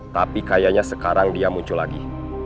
tapi kayaknya sekarang dia muncul lagi